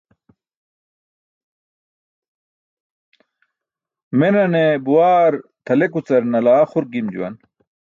Menane buwaar tʰalekucar nalaa xurk gim juwan.